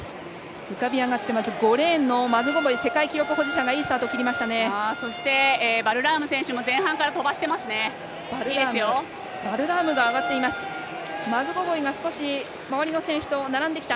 浮かび上がってまず５レーンのマズゴボイ世界記録保持者がいいスタートを切りました。